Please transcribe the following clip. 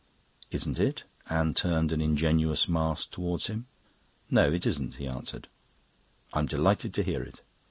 "Isn't it?" Anne turned an ingenuous mask towards him. "No, it isn't," he answered. "I'm delighted to hear it."